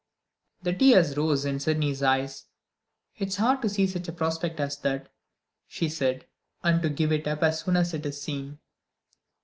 The tears rose in Sydney's eyes. "It is hard to see such a prospect as that," she said, "and to give it up as soon as it is seen."